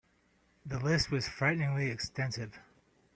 The list was frighteningly extensive.